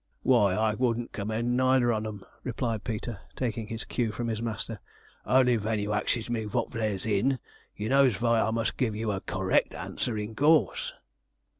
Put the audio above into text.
'Why, I wouldn't commend neither on 'em,' replied Peter, taking his cue from his master, 'only ven you axes me vot there's in, you knows vy I must give you a cor rect answer, in course.'